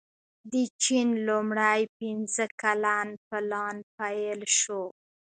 د چین لومړی پنځه کلن پلان پیل شو.